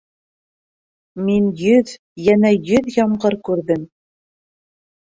— Мин йөҙ... йәнә йөҙ ямғыр күрҙем.